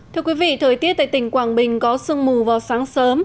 thưa quý vị thời tiết tại tỉnh quảng bình có sương mù vào sáng sớm